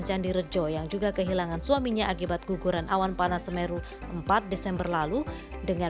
candirejo yang juga kehilangan suaminya akibat guguran awan panas semeru empat desember lalu dengan